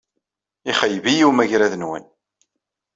Ixeyyeb-iyi umagrad-nwen.